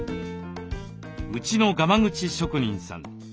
「うちのがま口職人さん。